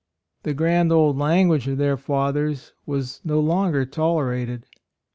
The grand old language of their fathers was no longer tolerated ; AND MOTHER.